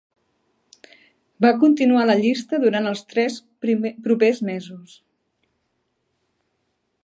Va continuar a la llista durant els tres propers mesos.